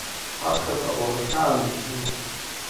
Ҳаԥхьаҟа уахашаанӡа сымоуп.